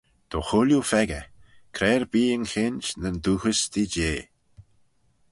Dy chooilley pheccah, cre erbee'n cheint n'yn dooghys t'eh jeh.